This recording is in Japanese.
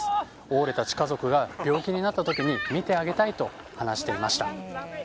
オーレたち家族が病気になった時に診てあげたいと話していました。